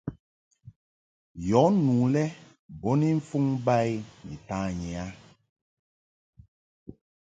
Yɔ nu lɛ bo ni mfuŋ ba i ni tanyi a.